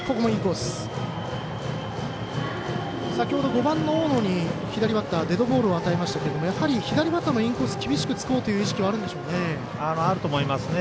先ほど５番の大野に左バッター、デッドボールを与えましたけれどもやはり、左バッターのインコースを厳しくつこうというあると思いますね。